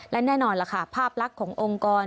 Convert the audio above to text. และแน่นอนล่ะค่ะภาพลักษณ์ขององค์กร